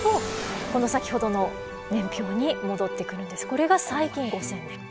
これが最近５，０００年。